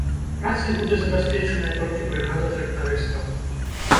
Працай будзе забяспечаная толькі брыгада трактарыстаў.